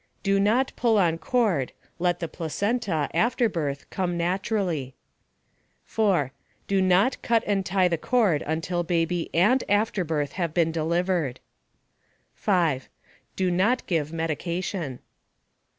DO NOT pull on cord, let the placenta (afterbirth) come naturally. 4. DO NOT cut and tie the cord until baby AND afterbirth have been delivered. 5. DO NOT give medication.